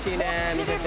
見てて」